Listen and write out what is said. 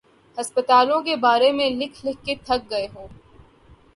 ہسپتالوں کے بارے میں لکھ لکھ کے تھک گئے ہوں۔